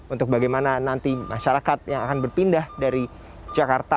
untuk bagaimana nanti masyarakat yang akan berpindah dari jakarta